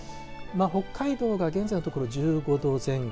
北海道が現在のところ１５度前後。